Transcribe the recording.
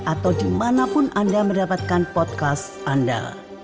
atau dimanapun anda mendapatkan podcast anda